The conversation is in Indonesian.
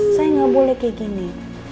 saya nggak boleh kayak gini